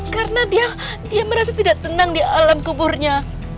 karena dia merasa tidak tenang di alam kuburnya